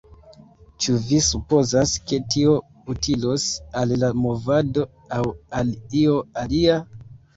Ĉu vi supozas, ke tio utilos al la movado, aŭ al io alia?